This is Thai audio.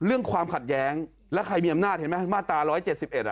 ความขัดแย้งแล้วใครมีอำนาจเห็นไหมมาตรา๑๗๑อ่ะ